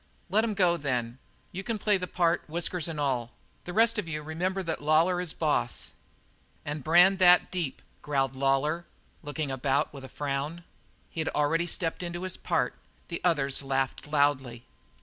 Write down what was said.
"Let them go, then. You can play the part, whiskers and all. The rest of you remember that Lawlor is the boss." "And brand that deep," growled Lawlor, looking about with a frown. He had already stepped into his part; the others laughed loudly.